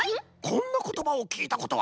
こんなことばをきいたことはないかの？